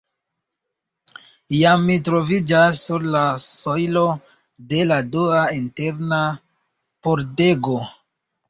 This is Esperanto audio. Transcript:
Jam mi troviĝas sur la sojlo de la dua interna pordego.